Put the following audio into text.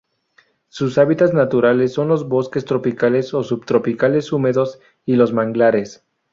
Sus hábitats naturales son las bosques tropicales o subtropicales húmedos y los manglares.